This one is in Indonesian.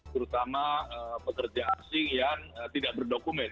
terutama pekerja asing yang tidak berdokumen